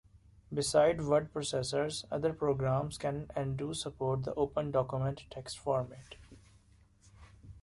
Besides word processors, other programs can and do support the OpenDocument text format.